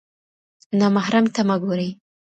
نامحرم ته مه ګورئ.